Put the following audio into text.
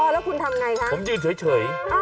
อ๋อแล้วคุณทำอย่างไรคะผมยืนเฉย